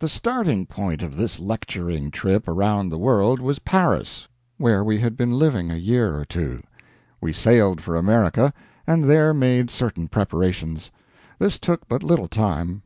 The starting point of this lecturing trip around the world was Paris, where we had been living a year or two. We sailed for America, and there made certain preparations. This took but little time.